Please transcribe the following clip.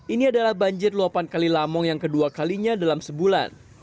ini adalah banjir luapan kali lamong yang kedua kalinya dalam sebulan